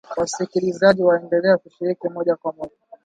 Wasikilizaji waendelea kushiriki moja kwa moja